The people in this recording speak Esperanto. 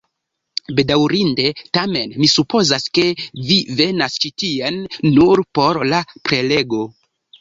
Bedaŭrinde, tamen mi supozas, ke vi venas ĉi tien nur por la prelego